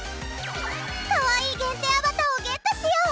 かわいい限定アバターをゲットしよう。